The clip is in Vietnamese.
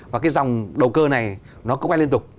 và cái dòng đầu cơ này nó cũng quay liên tục